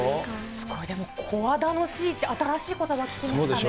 すごい、でも怖楽しいって新しいことば聞きましたね。